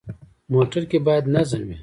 موټر کې باید نظم وي.